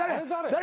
誰？